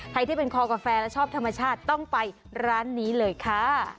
ใครที่เป็นคอกาแฟและชอบธรรมชาติต้องไปร้านนี้เลยค่ะ